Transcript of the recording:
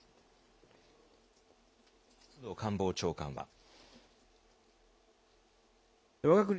松野官房長官は。